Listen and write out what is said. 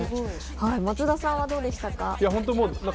松田さんはどうでしたか？